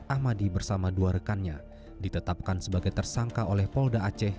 ahmadi bersama dua rekannya ditetapkan sebagai tersangka oleh polda aceh